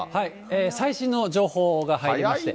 最新の情報が入りまして。